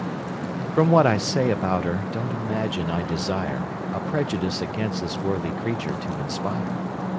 From what I say about her, don't imagine I desire A prejudice against this worthy creature to inspire.